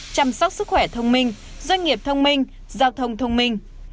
chăm sóc sức khỏe thông minh doanh nghiệp thông minh giao thông thông minh